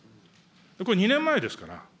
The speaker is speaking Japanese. これ、２年前ですから。